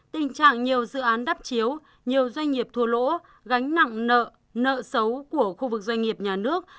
tình trạng nhiều dự án đắp chiếu nhiều doanh nghiệp thua lỗ gánh nặng nợ nợ xấu của khu vực doanh nghiệp nhà nước